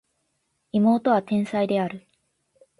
妹は天才である